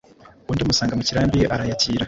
undi amusanga mu kirambi arayakira.